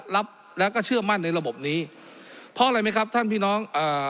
และก็เชื่อมั่นในระบบนี้พออะไรมั้ยครับท่านพี่น้อง